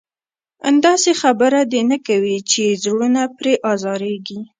داسې خبره دې نه کوي چې زړونه پرې ازارېږي.